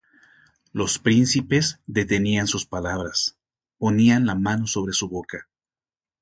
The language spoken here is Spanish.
Los príncipes detenían sus palabras, Ponían la mano sobre su boca;